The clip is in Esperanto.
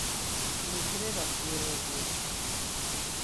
Ni kredas je revoj.